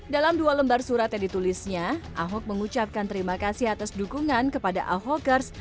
dalam dua lembar surat yang ditulisnya ahok mengucapkan terima kasih atas dukungan kepada ahokers